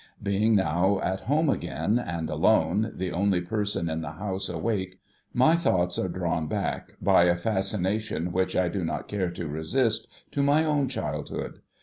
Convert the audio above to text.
Being now at home again, and alone, the only person in the house awake, my thoughts are drawn back, by a fascination which I do not care to resist, to my own childhood.